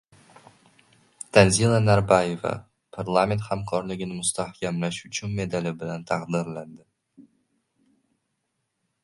Tanzila Narbayeva “Parlament hamkorligini mustahkamlash uchun” medali bilan taqdirlandi